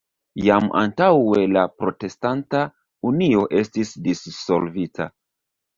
Jam antaŭe la Protestanta Unio estis dissolvita.